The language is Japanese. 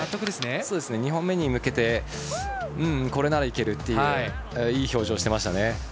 ２本目に向けてこれならいける！っていういい表情をしていましたね。